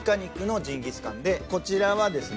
こちらはですね